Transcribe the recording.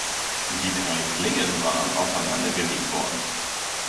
Die drei Klingen waren aufeinander gelegt worden.